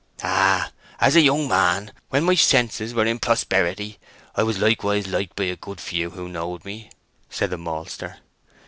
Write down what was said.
"Ay, and as a young man, when my senses were in prosperity, I was likewise liked by a good few who knowed me," said the maltster.